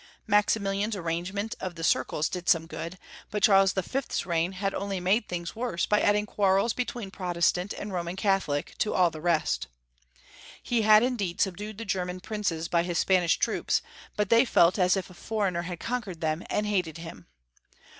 Maxi milian's arrangement of the circles dicl some good, but Charles the Fifth's reign had only made things Ferdinand L 806 worse, by adding quarrels between Protestant and Roman Catholic to all the rest. He had indeed subdued the German princes by his Spanish troops, but they felt as if a foreigner had conquered them, and hated him.